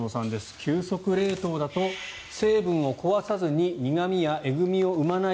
急速冷凍だと、成分を壊さずに苦味やえぐみを生まない。